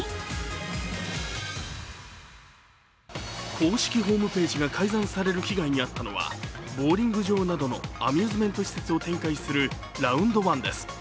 公式ホームページが改ざんされる被害に遭ったのはボウリング場などのアミューズメント施設を展開するラウンドワンです。